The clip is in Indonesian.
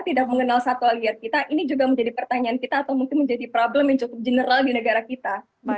tidak mengenal satwa liar kita ini juga menjadi pertanyaan kita atau mungkin menjadi problem yang cukup general di negara kita